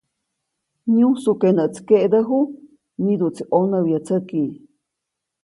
Myujsu ke näʼtsi keʼdäju, miduʼtsi ʼonäwyätsäki.